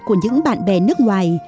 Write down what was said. của những bạn bè nước ngoài